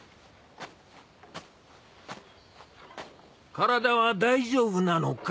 体は大丈夫なのか？